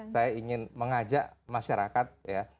saya ingin mengajak masyarakat ya